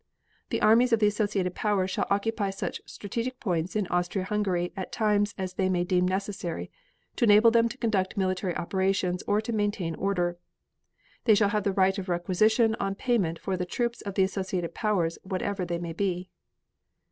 The armies of the associated Powers shall occupy such strategic points in Austria Hungary at times as they may deem necessary to enable them to conduct military operations or to maintain order. They shall have the right of requisition on payment for the troops of the associated Powers whatever they may be.